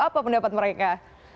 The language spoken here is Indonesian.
apa pendapat mereka